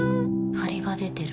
ハリが出てる。